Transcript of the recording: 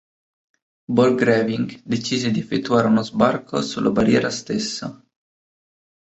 Borchgrevink decise di effettuare uno sbarco sulla barriera stessa.